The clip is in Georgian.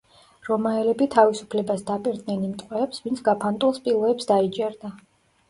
რომაელები თავისუფლებას დაპირდნენ იმ ტყვეებს, ვინც გაფანტულ სპილოებს დაიჭერდა.